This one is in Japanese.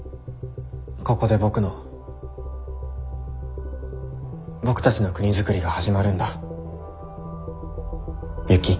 ここで僕の僕たちの国づくりが始まるんだユキ。